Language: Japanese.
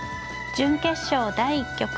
準決勝第１局。